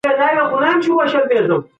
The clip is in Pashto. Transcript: هيڅکله د چا حق تر پښو لاندې مه کوه.